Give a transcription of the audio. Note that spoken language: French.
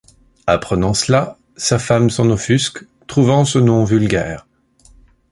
Apprenant cela, sa femme s'en offusque, trouvant ce nom vulgaire.